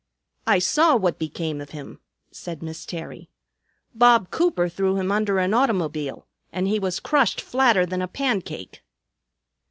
"I saw what became of him," said Miss Terry. "Bob Cooper threw him under an automobile, and he was crushed flatter than a pancake."